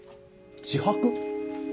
自白？